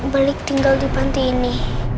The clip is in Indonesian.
balik tinggal di panti ini